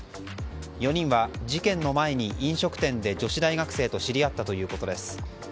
４人は事件の前に飲食店で女子大学生と知り合ったということです。